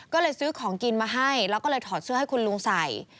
ก็เลยซื้อของกินมาให้แล้วก็เลยถอดเสื้อให้คุณลุงใส่